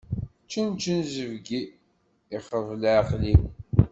Čenčen zebgi, ixreb leɛqel-iw.